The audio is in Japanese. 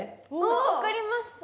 わかりました。